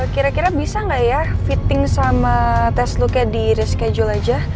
kira kira bisa nggak ya fitting sama test looknya di reschedule aja